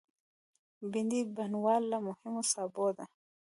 بېنډۍ د بڼوال له مهمو سابو ده